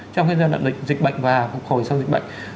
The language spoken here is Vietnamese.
trong giai đoạn dịch bệnh và phục hồi sau dịch bệnh